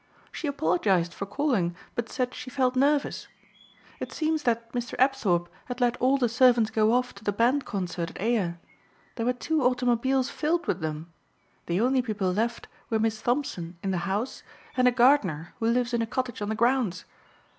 She apologized for calling but said she felt nervous. It seems that Mr. Apthorpe had let all the servants go off to the band concert at Ayer. There were two automobiles filled with them. The only people left were Miss Thompson in the house and a gardener who lives in a cottage on the grounds.